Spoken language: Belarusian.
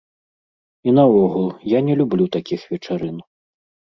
І наогул, я не люблю такіх вечарын.